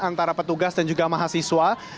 antara petugas dan juga mahasiswa